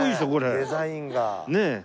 デザインが。